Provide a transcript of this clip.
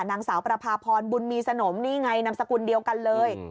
นางสาวประพาพรบุญมีสนมนี่ไงนามสกุลเดียวกันเลย